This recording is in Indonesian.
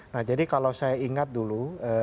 nah jadi kalau saya ingat dulu